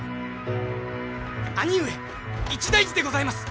兄上一大事でございます！